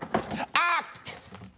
あっ！